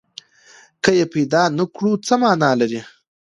که یې پیدا نه کړي، څه معنی لري؟